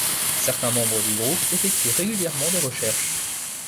Certains membres du groupe effectuent régulièrement des recherches.